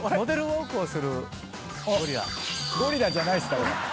ゴリラじゃないです。